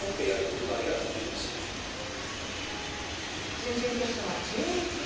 準々決勝は１１日。